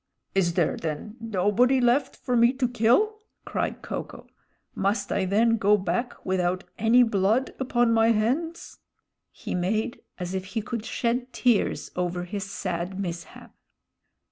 "Is there then nobody left for me to kill!" cried Ko ko. "Must I then go back without any blood upon my hands?" He made as if he could shed tears over his sad mishap.